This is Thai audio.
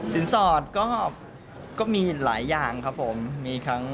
สินสอดก็มีหลายอย่างครับผม